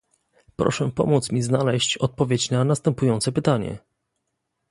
Proszę pomóc mi znaleźć odpowiedź na następujące pytanie